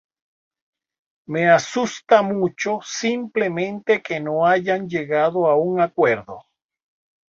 Me asusta mucho simplemente que no hayan llegado a un acuerdo".